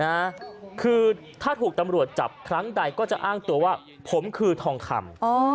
นะคือถ้าถูกตำรวจจับครั้งใดก็จะอ้างตัวว่าผมคือทองคำ